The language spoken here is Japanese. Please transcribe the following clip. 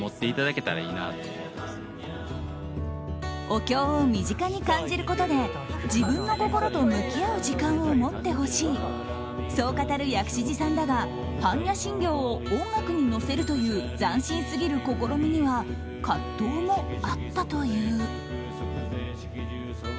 お経を身近に感じることで自分の心と向き合う時間を持ってほしいそう語る薬師寺さんだが般若心経を音楽に乗せるという斬新すぎる試みには葛藤もあったという。